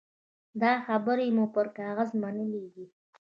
دا خبرې مو پر کاغذ منلي دي.